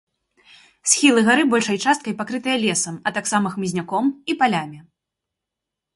Схілы гары большай часткай пакрытыя лесам, а таксама хмызняком і палямі.